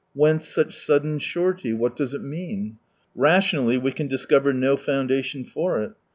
Whence such sudden surety, what does it mean? Rationally we can discover no foundation for it.